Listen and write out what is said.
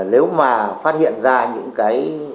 nếu mà phát hiện ra những cái